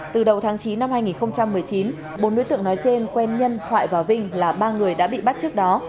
từ đầu tháng chín năm hai nghìn một mươi chín bốn đối tượng nói trên quen nhân thoại và vinh là ba người đã bị bắt trước đó